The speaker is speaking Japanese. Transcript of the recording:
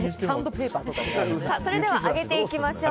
それでは揚げていきましょう。